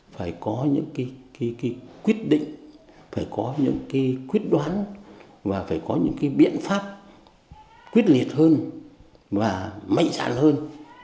phải có những quyết định phải có những quyết đoán và phải có những biện pháp quyết liệt hơn và mạnh dạn hơn